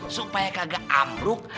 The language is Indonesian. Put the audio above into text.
supaya kagak amruk